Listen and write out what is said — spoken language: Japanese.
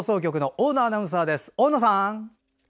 大野さん。